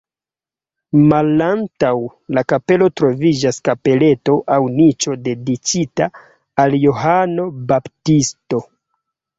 Malantaŭ la kapelo troviĝas kapeleto aŭ niĉo dediĉita al Johano Baptisto.